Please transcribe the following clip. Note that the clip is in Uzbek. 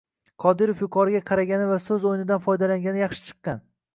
Qodirov yuqoriga qaragani va so‘z o‘yinidan foydalangani yaxshi chiqqan.